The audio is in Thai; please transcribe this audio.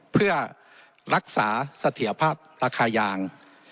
เพื่อรักษาเสถียรภาพราคายาง